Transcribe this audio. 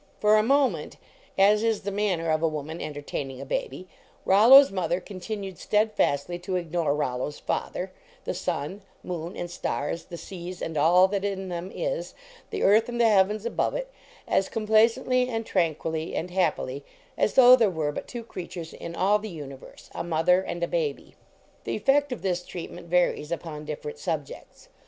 For a moment, as is the manner of a woman entertaining a baby, Rollo s mother continued steadfastly to ignore Rollo s father, the sun, moon, and stars, the seas and all that in them is, the earth and the heavens above it, as complacently and tranquilly and happily as though there were but two creat ures in all the universe a mother and a baby. The effect of this treatment varies upon different subjects.